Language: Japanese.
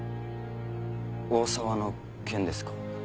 大沢の件ですか？